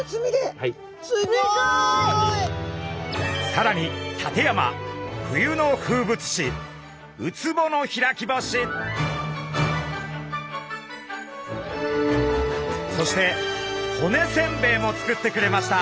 さらに館山冬の風物詩そして骨せんべいも作ってくれました。